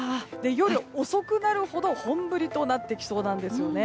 夜、遅くなるほど本降りとなってきそうなんですね。